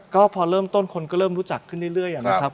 ก็พอเริ่มต้นคนก็เริ่มรู้จักขึ้นเรื่อยนะครับ